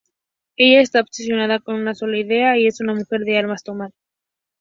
Ella está obsesionada con una sola idea, y es una mujer de armas tomar.